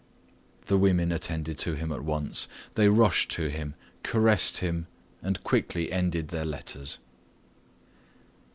The women attended to him at once. They rushed to him, caressed him, and quickly ended their letters.